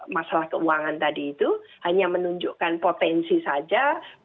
masalah keuangan tadi itu hanya menunjukkan potensi saja